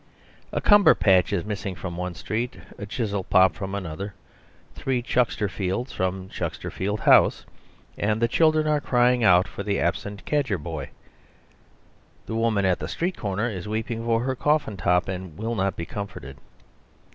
A Cumberpatch is missing from one street a Chizzolpop from another three Chucksterfields from Chucksterfield House; the children are crying out for an absent Cadgerboy; the woman at the street corner is weeping for her Coffintop, and will not be comforted.